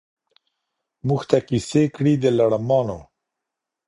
موږ ته کیسې کړي د لړمانو